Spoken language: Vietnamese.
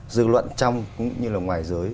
dư luận trong cũng như là ngoài dưới